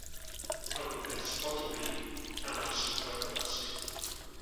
El comerç pot obrir amb el cinquanta per cent.